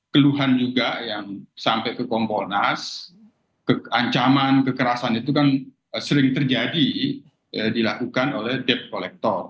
keluhan juga yang sampai ke kompolnas ancaman kekerasan itu kan sering terjadi dilakukan oleh debt collector